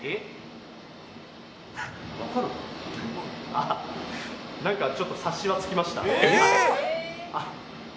あ、なんかちょっと察しはつきました。